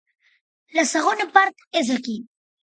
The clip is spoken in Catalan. La segona part és aquí.